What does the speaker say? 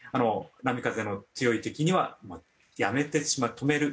波風の強いときにはやめてしまう止める。